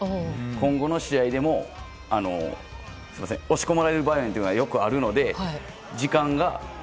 今後の試合でも押し込まれる場面というのはよくあるので。